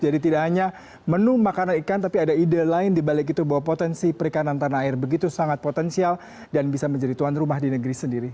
jadi tidak hanya menu makanan ikan tapi ada ide lain dibalik itu bahwa potensi perikanan tanah air begitu sangat potensial dan bisa menjadi tuan rumah di negeri sendiri